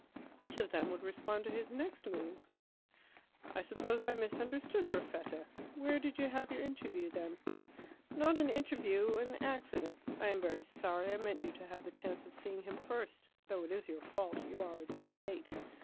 Which of them would respond to his next move? "I suppose I misunderstood Perfetta. Where did you have your interview, then?" "Not an interview an accident I am very sorry I meant you to have the chance of seeing him first. Though it is your fault. You are a day late.